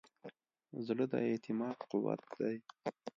زړه د اعتماد قوت دی.